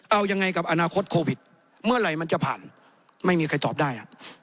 เอายังไงกับอนาคตโควิดเมื่อไหร่มันจะผ่านไม่มีใครตอบได้